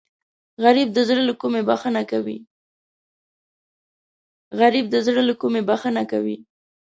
غریب د زړه له کومې بښنه کوي